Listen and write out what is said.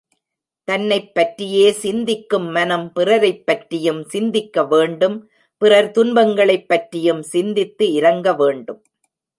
தன்னைப் பற்றியே சிந்திக்கும் மனம் பிறரைப் பற்றியும் சிந்திக்க வேண்டும் பிறர் துன்பங்களைப் பற்றியும் சிந்தித்து இரங்க வேண்டும்.